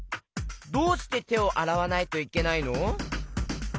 どうしててをあらわないといけないの？